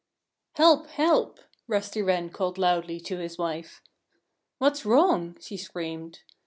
"Help! help!" Rusty Wren called loudly to his wife. "What's wrong?" she screamed.